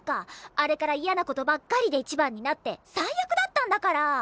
あれからイヤなことばっかりで一番になって最悪だったんだから！